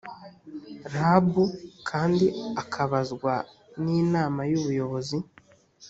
rab kandi akabazwa n inama y ubuyobozi